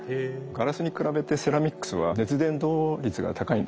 ガラスに比べてセラミックスは熱伝導率が高いんですね。